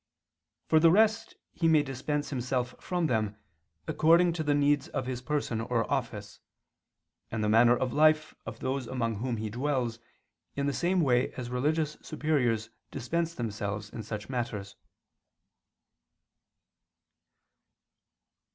For the rest he may dispense himself from them, according to the needs of his person or office, and the manner of life of those among whom he dwells, in the same way as religious superiors dispense themselves in such matters.